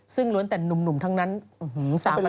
ซึ่งล้วนแต่หนุ่มทั้งนั้น๓ประเทศ